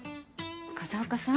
風岡さん